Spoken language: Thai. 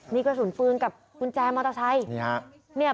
นี่กระสุนปืนกับกุญแจมอเตอร์ไซค์